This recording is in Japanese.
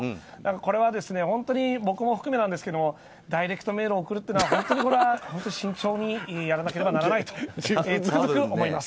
これは本当に僕も含めなんですがダイレクトメールを送るというのは本当に慎重にやらなければならないとつくづく思います。